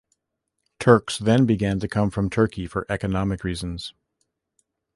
Turks then began to come from Turkey for economic reasons.